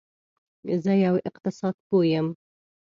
زه یو اقتصاد پوه یم